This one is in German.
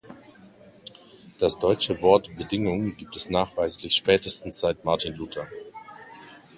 Das deutsche Wort „Bedingung“ gibt es nachweislich spätestens seit Martin Luther.